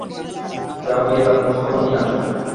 যাও গিয়ে তার খোজখবর নিয়ে আসো।